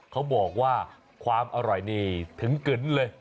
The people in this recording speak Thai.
เขาบอกว่าความอร่อยนี่ถึงกึนเลย